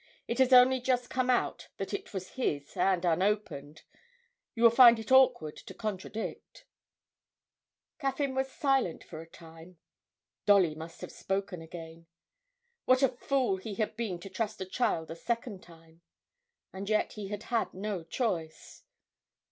'It has only just come out that it was his, and unopened you will find it awkward to contradict.' Caffyn was silent for a time. Dolly must have spoken again. What a fool he had been to trust a child a second time! and yet he had had no choice.